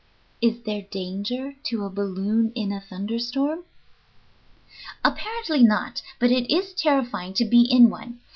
"Is there danger to a balloon in a thunderstorm?" "Apparently not, but it is terrifying to be in one.